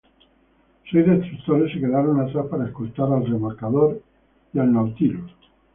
Seis destructores se quedaron atrás para escoltar al remolcador y al "Chicago".